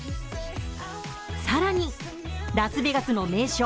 更に、ラスベガスの名所